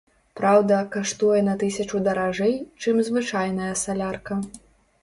Праўда, каштуе на тысячу даражэй, чым звычайная салярка.